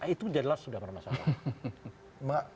itu jelas sudah bermasalah